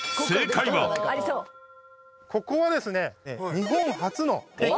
ここはですね。